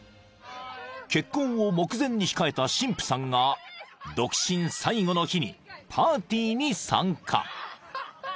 ［結婚を目前に控えた新婦さんが独身最後の日にパーティーに参加］